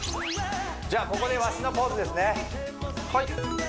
じゃあここでワシのポーズですねはい！